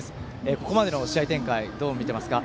ここまでの試合展開どう見てますか？